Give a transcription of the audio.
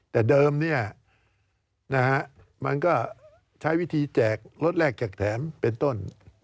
แต่เดิมเนี่ยนะฮะมันก็ใช้วิธีแจกรถแรกแจกแถมเป็นต้น